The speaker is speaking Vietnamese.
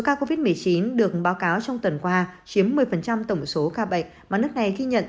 ca covid một mươi chín được báo cáo trong tuần qua chiếm một mươi tổng số ca bệnh mà nước này ghi nhận